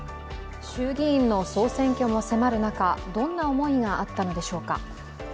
衆議院の総選挙も迫る中、どんな思いがあったのでしょうか。